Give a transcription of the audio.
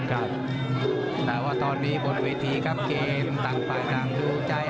แปลว่าตอนนี้บนเวทีเกมต่างป่ายต่างหลูนทราย